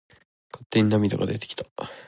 勝手に涙が出てきた。